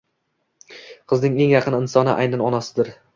Qizning eng yaqin insoni aynan onasidir.